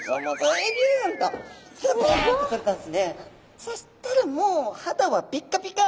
そしたらもう肌はピッカピカ！